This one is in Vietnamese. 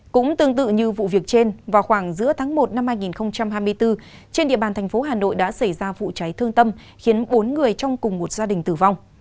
cũng tương tự như vụ việc trên vào khoảng giữa tháng một năm hai nghìn hai mươi bốn trên địa bàn thành phố hà nội đã xảy ra vụ cháy thương tâm khiến bốn người trong cùng một gia đình tử vong